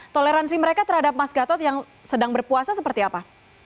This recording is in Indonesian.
toleransi mereka terhadap mas gatot yang sedang berpuasa seperti apa